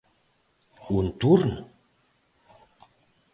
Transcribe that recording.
O entorno?